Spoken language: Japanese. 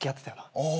ああ。